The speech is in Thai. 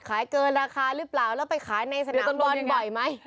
ขายเกินราคาหรือเปล่าแล้วไปขายในสนามบอลบ่อยไหม